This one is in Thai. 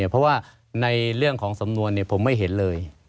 เพราะว่าในเรื่องของสำนวนผมไม่เห็นเลย